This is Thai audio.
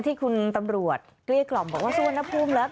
ที่คุณตำรวจเกลี้ยกล่อมบอกว่าสุวรรณภูมิแล้ว